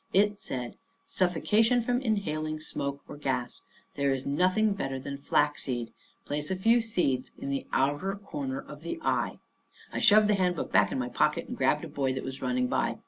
It said: Suffocation from Inhaling Smoke or Gas.—There is nothing better than flaxseed. Place a few seed in the outer corner of the eye. I shoved the Handbook back in my pocket, and grabbed a boy that was running by.